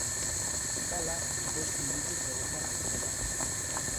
Gala bost minutuz egon da etenda.